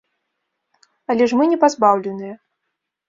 Але ж мы не пазбаўленыя.